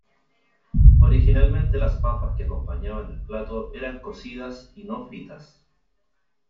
Originalmente las papas que acompañaban el plato eran cocidas y no fritas.